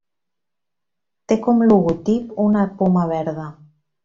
Té com logotip una poma verda.